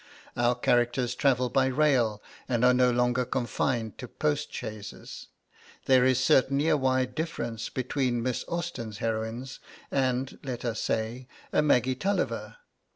Our characters travel by rail and are no longer confined to postchaises. There is certainly a wide difference between Miss Austen's heroines and, let us say, a Maggie Tulliver.